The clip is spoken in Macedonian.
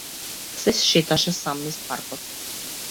Се шеташе сам низ паркот.